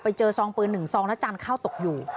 ไปเจอซองปืน๑ซองและจานเข้าตกอยู่